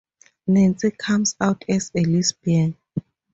Nancy comes out as a lesbian.